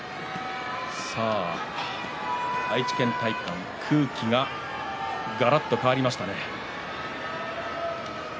愛知県体育館空気ががらっと変わりましたね。